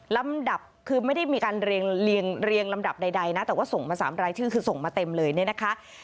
ลำดับคือไม่ได้มีการเรียงลำดับใดนะแต่ว่าส่งมา๓รายชื่อคือส่งมาเต็มเลยเนี่ยนะคะ